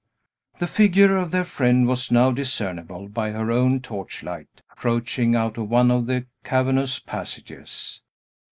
The figure of their friend was now discernible by her own torchlight, approaching out of one of the cavernous passages.